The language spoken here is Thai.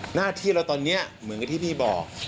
หน้าที่เราตอนนี้เหมือนกับที่พี่บอก